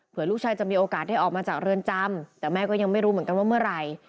เพื่อลูกชายจะมีโอกาสได้ออกมาจากเรือนจำแต่แม่ก็ยังไม่รู้เหมือนกันว่าเมื่อไหร่